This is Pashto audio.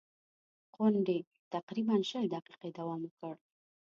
غونډې تقریباً شل دقیقې دوام وکړ.